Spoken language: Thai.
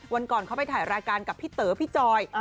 วันก่อนเขาไปถ่ายรายการกับพี่เต๋อพี่จอย